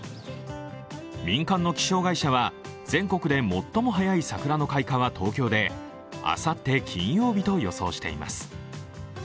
民間の気象会社は、全国で最も早い桜の開花は東京であさって金曜日と予想しています。